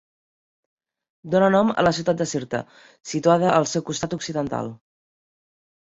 Dóna nom a la ciutat de Sirta, situada al seu costat occidental.